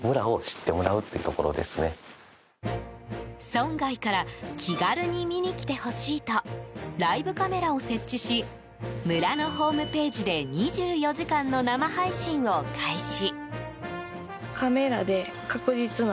村外から気軽に見にきてほしいとライブカメラを設置し村のホームページで２４時間の生配信を開始。